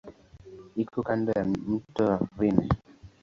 Iko kando ya mto Rhine.